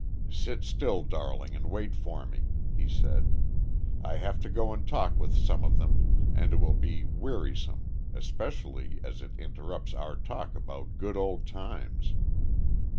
"Sit still, darling, and wait for me," he said. "I have to go and talk with some of them, and it will be wearisome especially as it interrupts our talk about good old times."